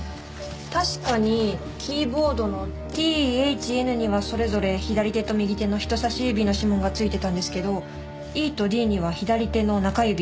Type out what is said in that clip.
確かにキーボードのＴＨＮにはそれぞれ左手と右手の人さし指の指紋がついてたんですけどＥとＤには左手の中指。